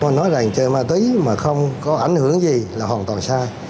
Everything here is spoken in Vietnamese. nói rằng chơi ma túy mà không có ảnh hưởng gì là hoàn toàn sai